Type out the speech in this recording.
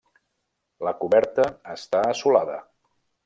La coberta està assolada.